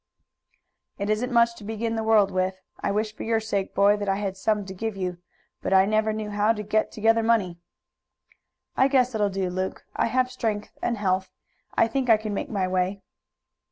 "It isn't much to begin the world with. I wish for your sake, boy, that I had some to give you, but I never knew how to get together money." "I guess it will do, Luke. I have health and strength. I think I can make my way."